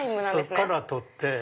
そこから取って。